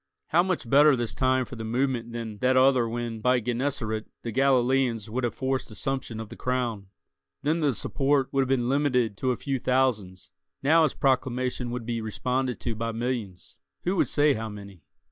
How much better this time for the movement than that other when, by Gennesaret, the Galileans would have forced assumption of the crown? Then the support would have been limited to a few thousands; now his proclamation would be responded to by millions—who could say how many?